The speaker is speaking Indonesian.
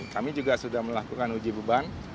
kami juga sudah melakukan uji beban